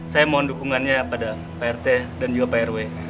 saya mohon dukungannya pada prt dan juga pak rw